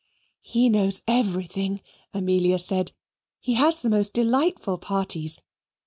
"He knows EVERYTHING," Amelia said. "He has the most delightful parties.